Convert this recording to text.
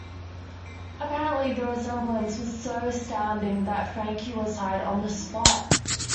Apparently, the resemblance was so astounding that Frankie was hired on the spot.